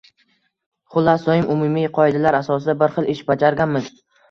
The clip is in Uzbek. Xullas, doim umumiy qoidalar asosida bir xil ish bajarganmiz.